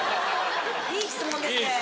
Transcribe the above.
「いい質問ですね」。